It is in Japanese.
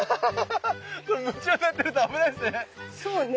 これ夢中になってると危ないですね。